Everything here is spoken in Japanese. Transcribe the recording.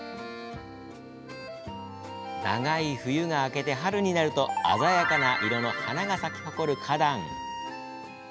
長い冬が明けて春になると鮮やかな色の花が咲き誇る花壇。